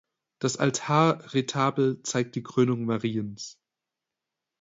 Das Altarretabel zeigt die Krönung Mariens.